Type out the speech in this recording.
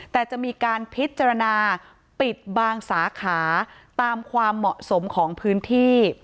แต่จะมีการพิจารณาปิดบางสาขาตามความเหมาะสมของพื้นที่